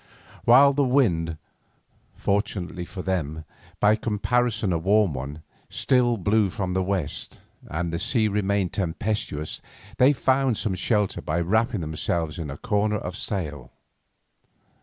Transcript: While the wind, fortunately for them, by comparison a warm one, still blew from the west, and the sea remained tempestuous, they found some shelter by wrapping themselves in a corner of the sail.